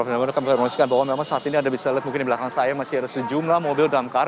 saya ingin mengucapkan bahwa memang saat ini anda bisa lihat mungkin di belakang saya masih ada sejumlah mobil dalam kar